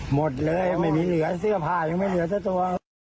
หมดเลยไม่มีเหลือเสื้อผ้ายังไม่เหลือสักตัว